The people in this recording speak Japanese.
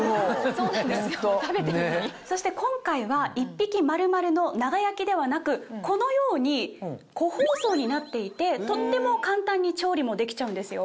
そして今回は１匹丸々の長焼きではなくこのように個包装になっていてとっても簡単に調理もできちゃうんですよ。